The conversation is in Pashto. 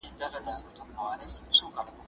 موږ به د ټولنې د سمون لپاره کار ته دوام ورکړو.